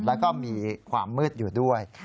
แล้วก็มีความมืดอยู่ด้วย